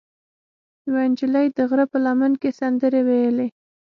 یوه نجلۍ د غره په لمن کې سندرې ویلې.